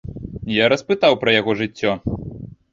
Я распытаў пра яго жыццё.